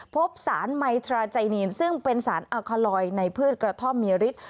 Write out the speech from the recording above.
พบสารไมตราไจนีนซึ่งเป็นสารอาคาลอยในพืชกระท่อมมีฤทธิ